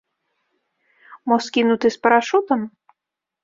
Мо скінуты з парашутам?